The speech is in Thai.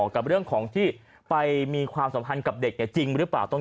กับเรื่องของที่ไปมีความสัมพันธ์กับเด็กจริงหรือเปล่า